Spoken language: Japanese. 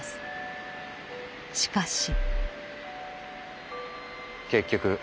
しかし。